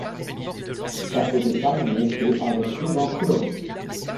Chapeau de paille en été avec ruban coloré.